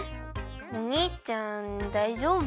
おにいちゃんだいじょうぶ？